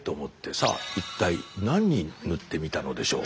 さあ一体何に塗ってみたのでしょう。